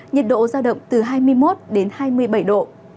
nhiệt độ giao động từ hai mươi một đến hai mươi bảy độ